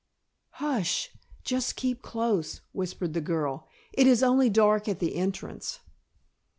"Hush! Just keep close," whispered the girl. "It is only dark at the entrance."